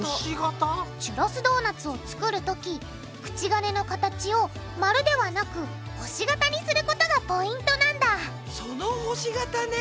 チュロスドーナツを作るとき口金の形を丸ではなく星型にすることがポイントなんだその星型ね！